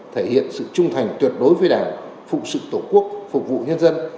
thể hiện sự trung thành tuyệt đối với đảng phụ sự tổ quốc phục vụ nhân dân